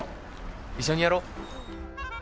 一緒にやろう。